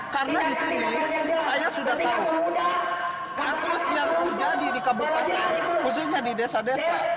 karena disini saya sudah tahu kasus yang terjadi di kabupaten khususnya di desa desa